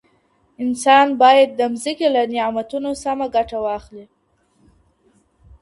انسان بايد د مځکي له نعمتونو سمه ګټه واخلي.